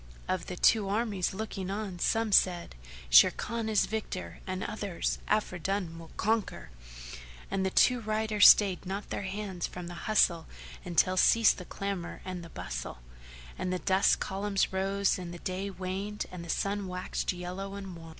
Of the two armies looking on, some said, "Sharrkan is victor!" and others, "Afridun will conquer!"; and the two riders stayed not their hands from the hustle until ceased the clamour and the bustle; and the dust columns rose and the day waned and the sun waxed yellow and wan.